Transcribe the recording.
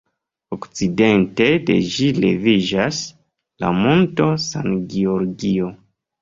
Okcidente de ĝi leviĝas la Monto San Giorgio.